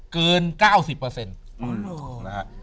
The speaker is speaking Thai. เกินเก้าสิบเปอร์เซ็นต์อืมนะฮะ